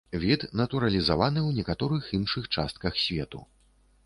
Від натуралізаваны ў некаторых іншых частках свету.